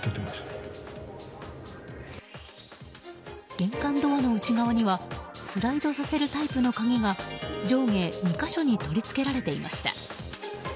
玄関ドアの内側にはスライドさせるタイプの鍵が上下２か所に取り付けられていました。